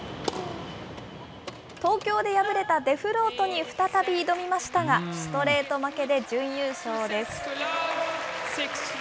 東京で敗れたデフロートに再び挑みましたが、ストレート負けで準優勝です。